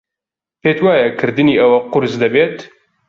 پێت وایە کردنی ئەوە قورس دەبێت؟